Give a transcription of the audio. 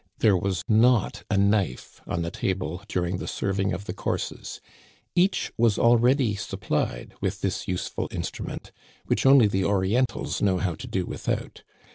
There was not a knife on the table during the serving of the courses ; each was already supplied with this useful instrument, which only the Orientals know how to do without.